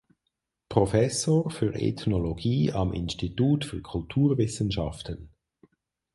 Professor für Ethnologie am Institut für Kulturwissenschaften.